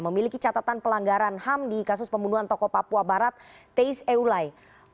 memiliki catatan pelanggaran ham di kasus pembunuhan tokoh papua barat teis eulai